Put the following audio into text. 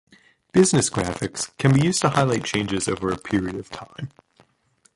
Business Graphics can be used to highlight changes over a period of time.